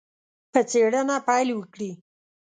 په څېړنه پیل وکړي.